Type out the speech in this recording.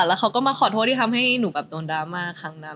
แล้วเขาก็มาขอโทษที่ทำให้หนูแบบโดนดราม่าครั้งนั้น